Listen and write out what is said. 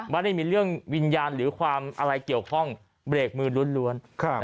ไม่ได้มีเรื่องวิญญาณหรือความอะไรเกี่ยวข้องเบรกมือล้วน